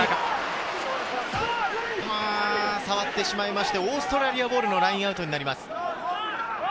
触ってしまいましてオーストラリアボールのラインアウトになります。